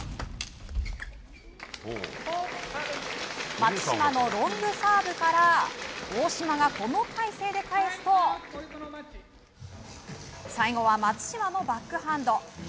松島のロングサーブから大島がこの体勢で返すと最後は松島のバックハンド。